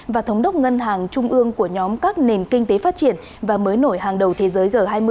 và thống đốc ngân hàng trung ương của nhóm các nền kinh tế phát triển và mới nổi hàng đầu thế giới g hai mươi